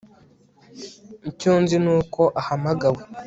icyo nzi nuko ahamagawe